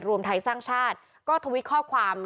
รวมไทยสร้างชาติก็ทวิตข้อความ